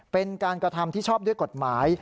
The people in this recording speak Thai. เป็นการกระทำที่ชอบด้วยกฎหมาย